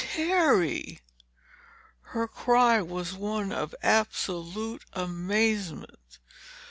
"Terry!" Her cry was one of absolute amazement.